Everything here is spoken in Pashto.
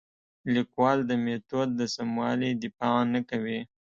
لیکوال د میتود د سموالي دفاع نه کوي.